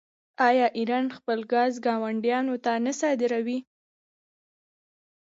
آیا ایران خپل ګاز ګاونډیانو ته نه صادروي؟